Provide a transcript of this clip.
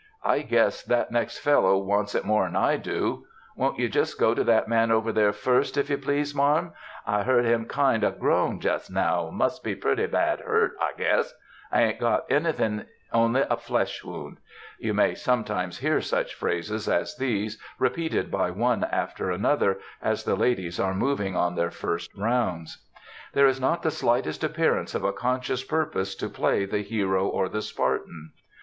"I guess that next fellow wants it more'n I do,"—"Won't you jus' go to that man over there first, if you please, marm; I hearn him kind o' groan jus' now; must be pretty bad hurt, I guess: I ha'n't got anythin' only a flesh wound!" You may always hear such phrases as these repeated by one after another, as the ladies are moving on their first rounds. There is not the slightest appearance of a conscious purpose to play the hero or the Spartan.